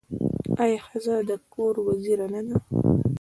آیا ښځه د کور وزیره نه ده؟